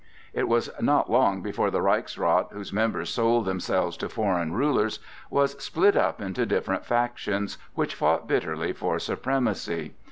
It was not long before the Reichsrath, whose members sold themselves to foreign rulers, was split up into different factions which fought bitterly for supremacy.